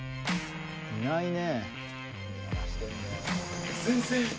いないね。